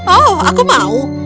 oh aku mau